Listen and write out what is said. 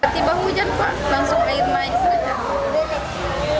tiba hujan pak langsung air naik